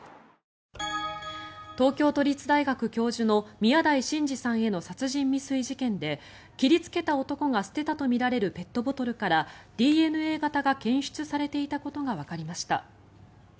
東京都立大学教授の宮台真司さんへの殺人未遂事件で切りつけた男が捨てたとみられるペットボトルからＤＮＡ型が検出されていたことがわかりました。